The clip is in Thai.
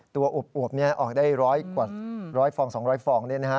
ตัวอวบออกได้๑๐๐ฟอง๒๐๐ฟอง